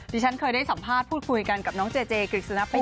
ดิฉันเคยได้สัมภาษณ์พูดคุยกันกับน้องเจเจกริกสุนัพภูมิ